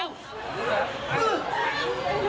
อ้าวอ้าวอุ้ย